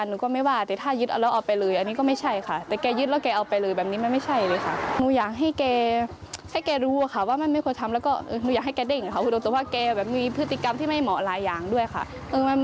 น้องนักเรียนเขาบอกว่าถ้ายึดแค่ระหว่างวัน